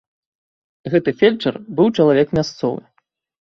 Гэты фельчар быў чалавек мясцовы.